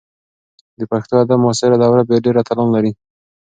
د پښتو ادب معاصره دوره ډېر اتلان لري.